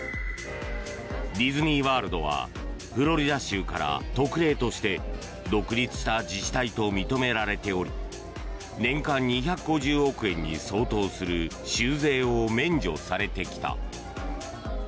ディズニー・ワールドはフロリダ州から特例として独立した自治体と認められており年間２５０億円に相当する州税を免除されてきた。